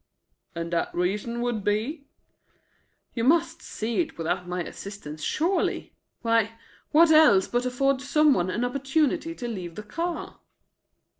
"And that reason would be " "You must see it without my assistance, surely! Why, what else but to afford some one an opportunity to leave the car."